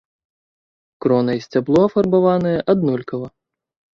Крона і сцябло афарбаваныя аднолькава.